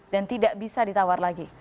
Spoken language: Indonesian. dan tidak bisa ditawar lagi